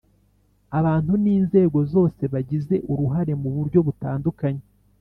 abantu n'inzego zose bagize uruhare mu buryo butandukanye